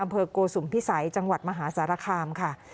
อำเภอกโกศุมภิษัยจังหวัดมหาสารคามค่ะ